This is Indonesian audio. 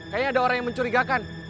kayaknya ada orang yang mencurigakan